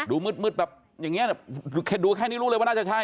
ดูมืดแบบอย่างนี้ดูแค่นี้รู้เลยว่าน่าจะใช่